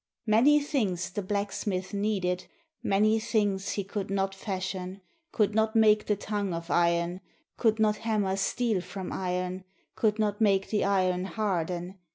Many things the blacksmith needed, Many things he could not fashion, Could not make the tongue of iron Could not hammer steel from iron. Could not make the iron harden.